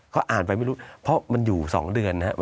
ก็อ่านไปไม่รู้เพราะมันอยู่๒เดือนนะ